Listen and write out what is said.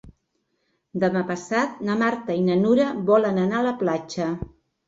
Demà passat na Marta i na Nura volen anar a la platja.